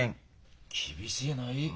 厳しいない。